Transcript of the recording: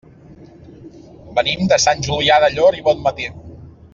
Venim de Sant Julià del Llor i Bonmatí.